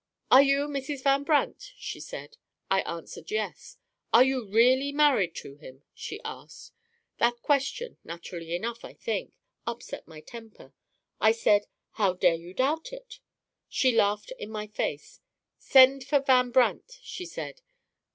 'Are you Mrs. Van Brandt?' she said. I answered, 'Yes.' 'Are you really married to him?' she asked me. That question (naturally enough, I think) upset my temper. I said, 'How dare you doubt it?' She laughed in my face. 'Send for Van Brandt,' she said.